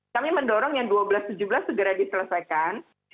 kami mendorong yang dua belas tujuh belas segera diselesaikan